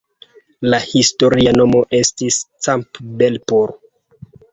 La historia nomo estis "Campbellpur".